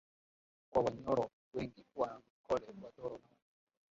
kwa Wanyoro wengi Waankole Watoro na Wanyambo